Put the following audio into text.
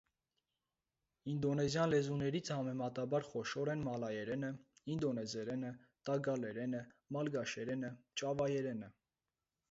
Ինդոնեզյան լեզուներից համեմատաբար խոշոր են մալայերենը, ինդոնեզերենը, տագալերենը, մալգաշերենը, ճավայերենը։